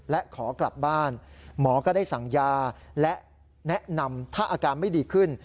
และขอกลับบ้านหมอก็ได้สั่งยาและแนะนำถ้าอาการไม่ดีขึ้น